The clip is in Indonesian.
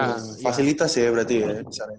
nah fasilitas ya berarti ya